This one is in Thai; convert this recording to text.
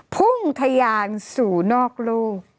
พุ่งทะยานสู่นอกโลก